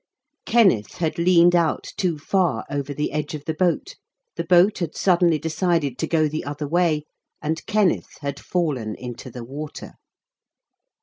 Kenneth had leaned out too far over the edge of the boat, the boat had suddenly decided to go the other way, and Kenneth had fallen into the water.